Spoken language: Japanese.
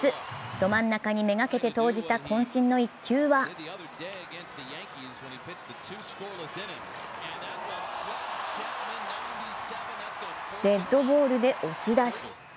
ど真ん中に目がけて投じたこん身の１球は、デッドボールで押し出し。